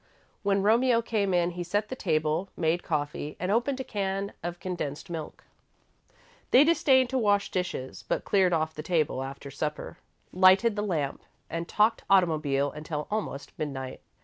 When Romeo came in, he set the table, made coffee, and opened a can of condensed milk. They disdained to wash dishes, but cleared off the table, after supper, lighted the lamp, and talked automobile until almost midnight.